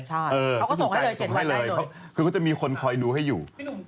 ใช่เอาก็ส่งให้เลย๗ซักวันได้คือมีคนคอยดูให้อยู่